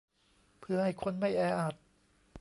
เพื่อให้คนไม่แออัด